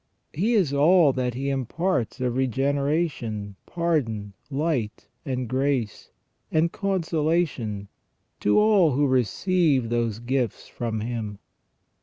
He is all that He imparts of regeneration, pardon, light, and grace, and con solation, to all who receive those gifts from Him.